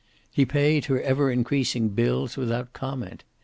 He paid her ever increasing bills without comment.